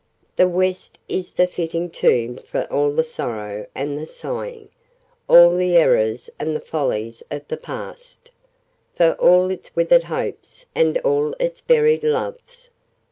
"The West is the fitting tomb for all the sorrow and the sighing, all the errors and the follies of the Past: for all its withered Hopes and all its buried Loves!